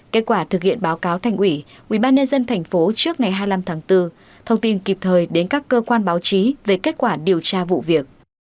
kết quả thực hiện báo cáo thành ủy ubnd tp trước ngày hai mươi năm tháng bốn thông tin kịp thời đến các cơ quan báo chí về kết quả điều tra vụ việc